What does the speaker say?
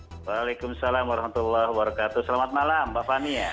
waalaikumsalam warahmatullahi wabarakatuh selamat malam mbak fania